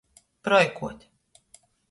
Proikuot.